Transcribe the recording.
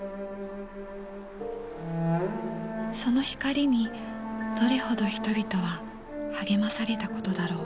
その光にどれほど人々は励まされたことだろう。